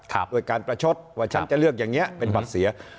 ด้วยการประชดว่าฉันจะเลือกอย่างนี้เป็นบัตรเสีย